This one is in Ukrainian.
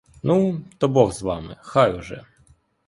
Ну, то бог з вами, хай уже.